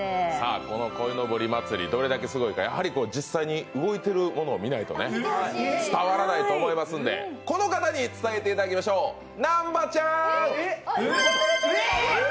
この鯉のぼり祭り、どれだけすごいか実際に動いているものを見ないと伝わらないと思うのでこの方に伝えていただきましょう、南波ちゃーん。